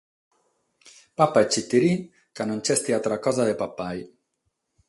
Papa e tziti·ti, ca non nc'est àtera cosa de papare.